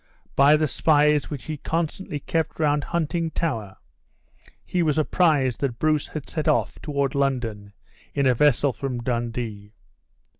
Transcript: By the spies which he constantly kept round Huntingtower, he was apprised that Bruce had set off toward London in a vessel from Dundee.